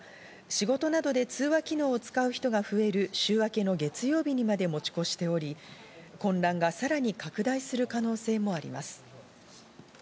この通信障害は土曜日未明に発生しましたが、仕事などで通話機能を使う人が増える週明けの月曜日にまで持ち越しており、混乱がさらに拡大する可能性もあります。